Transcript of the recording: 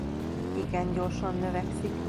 Igen gyorsan növekszik.